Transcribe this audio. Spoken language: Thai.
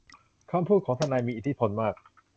คำพูดของทนายมีอิทธิพลมาก